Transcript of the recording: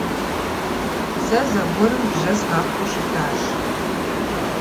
Сэ зэгуэр бжьэ згъэхъуу щытащ.